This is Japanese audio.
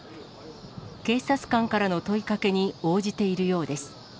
警察官からの問いかけに応じているようです。